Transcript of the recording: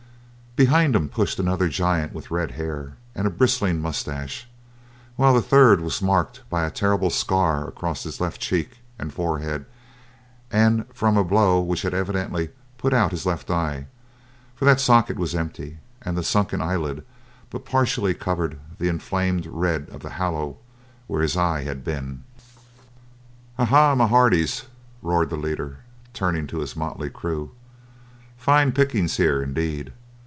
Behind him pushed another giant with red hair and a bristling mustache; while the third was marked by a terrible scar across his left cheek and forehead and from a blow which had evidently put out his left eye, for that socket was empty, and the sunken eyelid but partly covered the inflamed red of the hollow where his eye had been. "A ha, my hearties," roared the leader, turning to his motley crew, "fine pickings here indeed.